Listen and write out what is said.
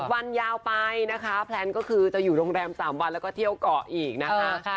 วันยาวไปนะคะแพลนก็คือจะอยู่โรงแรม๓วันแล้วก็เที่ยวเกาะอีกนะคะ